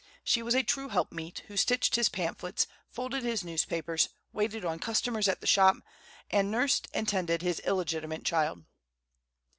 She was a true helpmeet, who stitched his pamphlets, folded his newspapers, waited on customers at the shop, and nursed and tended his illegitimate child.